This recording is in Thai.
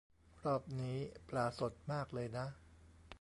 รอบนี้ปลาสดมากเลยนะ